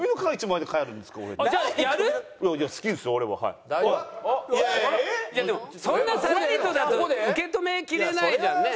いやでもそんなさらりとだと受け止めきれないじゃんね。